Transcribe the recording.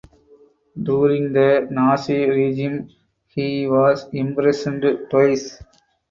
During the Nazi regime he was imprisoned twice.